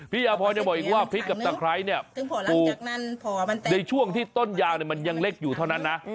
พี่อาพรยังบอกอีกว่าพริกกับตะไคร้เนี่ยในช่วงที่ต้นยางมันยังเล็กอยู่เท่านั้นนะ